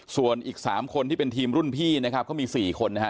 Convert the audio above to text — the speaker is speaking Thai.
ส่วนอีก๓คนที่เป็นทีมรุ่นพี่นะครับเขามี๔คนนะฮะ